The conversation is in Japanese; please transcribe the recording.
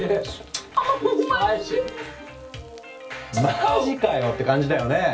マジかよ！って感じだよね。